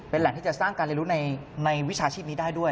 แหล่งที่จะสร้างการเรียนรู้ในวิชาชีพนี้ได้ด้วย